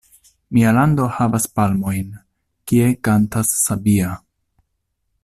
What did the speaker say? Mia lando havas palmojn, Kie kantas sabia!